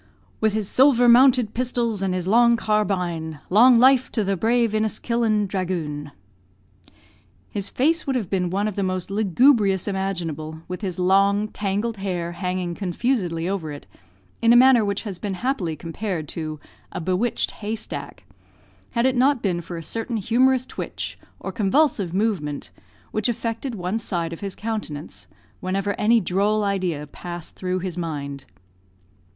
"With his silver mounted pistols, and his long carbine, Long life to the brave Inniskillen dragoon." His face would have been one of the most lugubrious imaginable, with his long, tangled hair hanging confusedly over it, in a manner which has been happily compared to a "bewitched haystack," had it not been for a certain humorous twitch or convulsive movement, which affected one side of his countenance, whenever any droll idea passed through his mind.